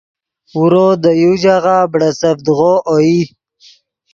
اورو دے یو ژاغہ بڑیچڤدغو اوئی